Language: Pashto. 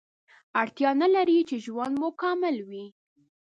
اړتیا نلري چې ژوند مو کامل وي